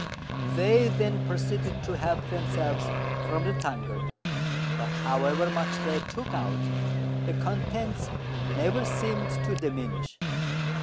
They then proceeded to help themselves from the tankard; but however much they took out, the contents never seemed to diminish.